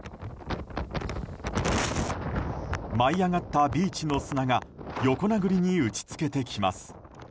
舞い上がったビーチの砂が横殴りに打ち付けてきます。